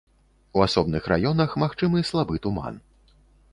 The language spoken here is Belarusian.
У асобных раёнах магчымы слабы туман.